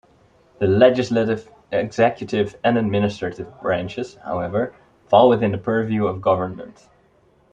The legislative, executive, and administrative branches, however, fall within the purview of government.